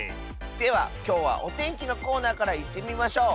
ではきょうはおてんきのコーナーからいってみましょう。